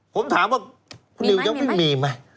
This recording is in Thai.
ผมถามว่าคุณนิวยังไม่มีไหม